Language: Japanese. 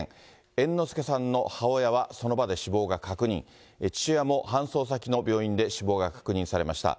猿之助さんの母親はその場で死亡が確認、父親も搬送先の病院で死亡が確認されました。